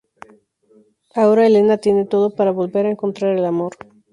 Ahora Elena tiene todo para volver a encontrar el amor.